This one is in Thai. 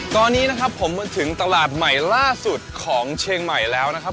ตอนนี้นะครับผมมาถึงตลาดใหม่ล่าสุดของเชียงใหม่แล้วนะครับ